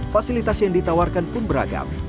fasilitas yang ditawarkan pun beragam